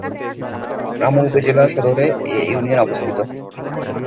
রামু উপজেলা সদর এ ইউনিয়নে অবস্থিত।